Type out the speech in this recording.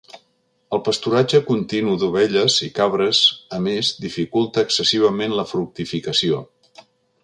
El pasturatge continu d'ovelles i cabres, a més, dificulta excessivament la fructificació.